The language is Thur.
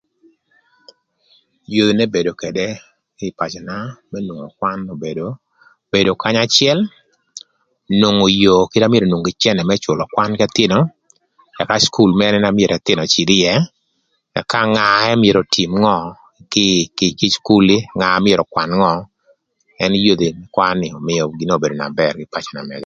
Yodhi n'ebedo ködë ï pacöna më nwongo kwan obedo bedo kanya acël, nwongo yoo kite na myero enwong kï cënë më cülö kwan k'ëthïnö ëka cukul mënë na mïtö ëthïnö öcïdh ïë ëka nga ënë myero ötïm ngö kï ï cukul ni nga na myero ökwan ngö ën yodhi kwan ni ömïö gïnï kwö obedo na bër kï ï pacö na mëga.